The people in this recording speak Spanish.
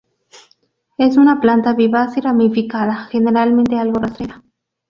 Es una planta vivaz y ramificada, generalmente algo rastrera.